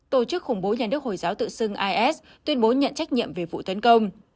tổ chức khủng bố nhà nước hồi giáo tự xưng is tuyên bố nhận trách nhiệm về vụ tấn công